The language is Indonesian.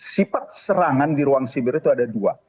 sifat serangan di ruang siber itu ada dua